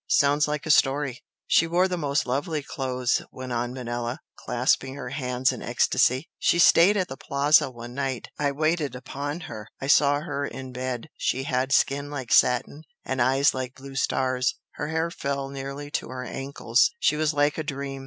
Sounds like a story!" "She wore the most lovely clothes" went on Manella, clasping her hands in ecstasy "She stayed at the Plaza one night I waited upon her. I saw her in her bed she had skin like satin, and eyes like blue stars her hair fell nearly to her ankles she was like a dream!